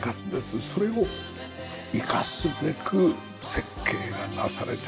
それを生かすべく設計がなされてますよね。